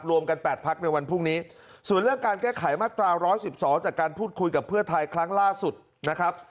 กัน๘พักในวันพรุ่งนี้ส่วนเรื่องการแก้ไขมาตรา๑๑๒จากการพูดคุยกับเพื่อไทยครั้งล่าสุดนะครับ